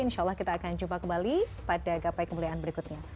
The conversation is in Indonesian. insya allah kita akan jumpa kembali pada gapai kemuliaan berikutnya